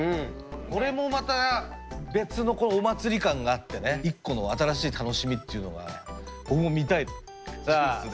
これもまた別のお祭り感があってね一個の新しい楽しみというのが僕も見たい。